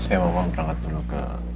saya mau mau perangkat dulu ke